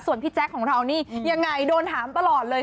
ส่วนพี่แจ๊คของเรานี่ยังไงโดนถามตลอดเลย